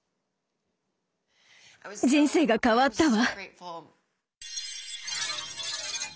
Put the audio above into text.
人生が変わったわ。